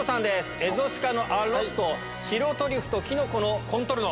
エゾシカのアッロスト、白トリュフときのこのコントルノ。